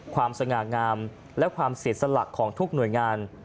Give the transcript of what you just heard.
ความสง่างามและความเสร็จสลักของทุกหน่วยงาน